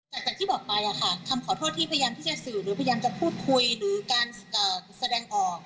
แต่จากที่บอกไปคำขอโทษที่พยายามที่จะสื่อหรือพยายามจะพูดคุยหรือการแสดงออก